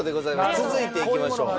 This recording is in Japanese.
続いていきましょう。